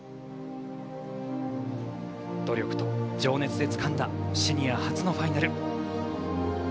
努力と情熱でつかんだシニア初のファイナル。